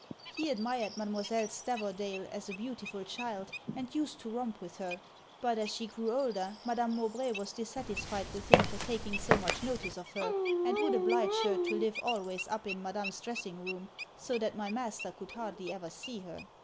He admired Mademoiselle Stavordale as a beautiful child, and used to romp with her; but as she grew older, Madame Mowbray was dissatisfied with him for taking so much notice of her, and would oblige her to live always up in Madame's dressing room, so that my master could hardly ever see her.